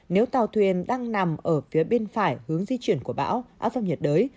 nếu tàu thuyền đang nằm ở phía bên phải hướng di chuyển của bão áp thấp nhiệt đới